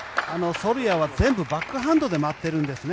ソルヤは全部バックハンドで待ってるんですね。